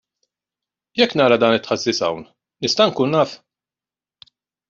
Jekk nara dan it-taħżiż hawn, nista' nkun naf?